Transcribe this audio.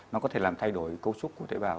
nó có thể làm thay đổi cấu trúc của tế bào